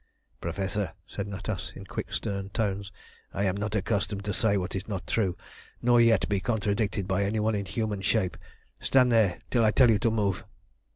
"Professor," said Natas, in quick, stern tones, "I am not accustomed to say what is not true, nor yet to be contradicted by any one in human shape. Stand there till I tell you to move."